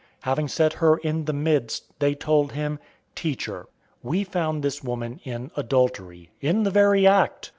Having set her in the midst, 008:004 they told him, "Teacher, we found this woman in adultery, in the very act.